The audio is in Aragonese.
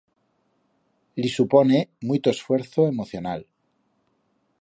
Li supone muito esfuerzo emocional.